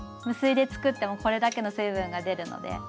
無水で作ってもこれだけの水分が出るので。